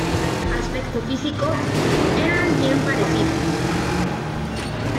Aspecto físico: eran bien parecidos.